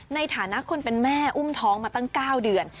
ใต้ทหารและคนเป็นแม่อุ้มท้องมาตั้งกล้าวเดือน